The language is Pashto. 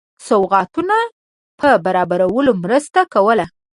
سوغاتونو په برابرولو مرسته کوله.